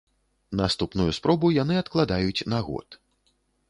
Наступную спробу яны адкладаюць на год.